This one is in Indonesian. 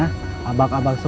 mereka murah namanya